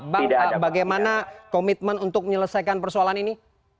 bang bagaimana komitmen untuk menyelesaikan persoalan ini